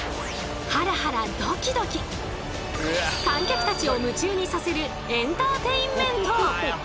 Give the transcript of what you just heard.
観客たちを夢中にさせるエンターテインメント！